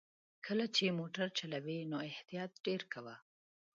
کله چې موټر چلوې نو احتياط ډېر کوه!